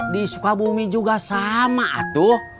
di sukabumi juga sama atuh